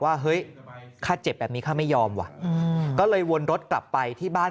ว่าเฮ้ยข้าเจ็บแบบนี้ข้าไม่ยอมว่ะก็เลยวนรถกลับไปที่บ้าน